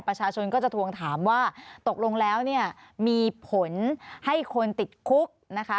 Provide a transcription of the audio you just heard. ประชาชนก็จะทวงถามว่าตกลงแล้วเนี่ยมีผลให้คนติดคุกนะคะ